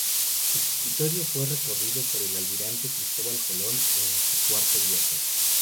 El territorio fue recorrido por el almirante Cristóbal Colón en su cuarto viaje.